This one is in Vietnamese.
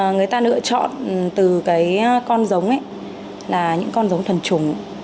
người ta lựa chọn từ cái con giống ấy là những con giống thần trùng